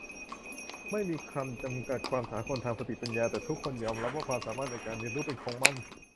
ไม่มีคำจำกัดความสากลทางสติปัญญา แต่ทุกคนยอมรับว่าความสามารถในการเรียนรู้เป็นของมัน